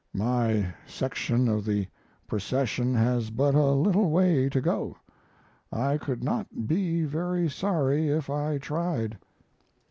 My section of the procession has but a little way to go. I could not be very sorry if I tried.